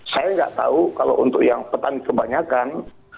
saya nggak tahu kalau untuk yang petani kebanyakan